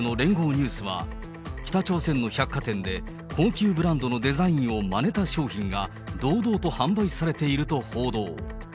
ニュースは、北朝鮮の百貨店で、高級ブランドのデザインをまねた商品が堂々と販売されていると報道。